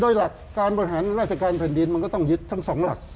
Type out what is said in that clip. โดยหลักการบริหารราชการแผ่นดินมันก็ต้องยึดทั้งสองหลัก